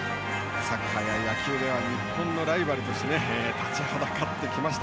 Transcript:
サッカーや野球では日本のライバルとして立ちはだかってきました